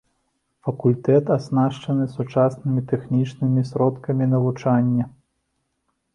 Факультэт аснашчаны сучаснымі тэхнічнымі сродкамі навучання.